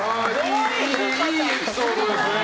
いいエピソードですね。